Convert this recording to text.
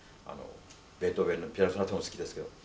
ベートーベンのピアノソナタも好きですけど。